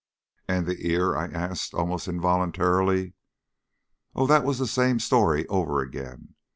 "And the ear?" I asked, almost involuntarily. "Oh, that was the same story over again.